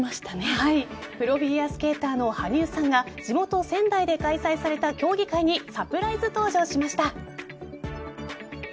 プロフィギュアスケーターの羽生さんが地元・仙台で開催された競技会にサプライズ登場しました。